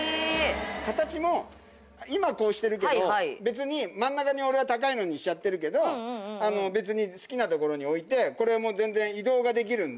形も今こうしてるけど別に真ん中に俺は高いのにしちゃってるけど別に好きな所に置いてこれもう全然。